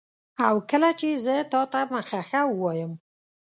او کله چي زه تاته مخه ښه وایم